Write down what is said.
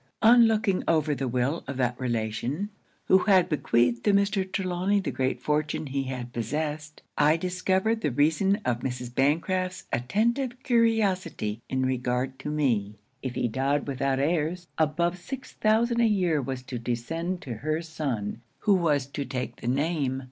'On looking over the will of that relation, who had bequeathed to Mr. Trelawny the great fortune he had possessed, I discovered the reason of Mrs. Bancraft's attentive curiosity in regard to me if he died without heirs, above six thousand a year was to descend to her son, who was to take the name.